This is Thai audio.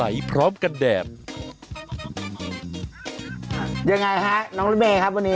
ยังไงคะน้องเรเมครับวันนี้